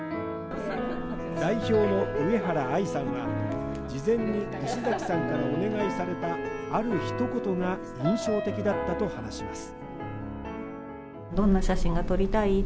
代表の上原藍さんは、事前に石崎さんからお願いされたある一言が印象的だったと話します。